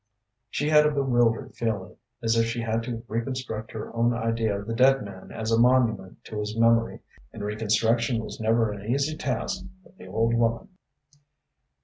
She had a bewildered feeling, as if she had to reconstruct her own idea of the dead man as a monument to his memory, and reconstruction was never an easy task for the old woman.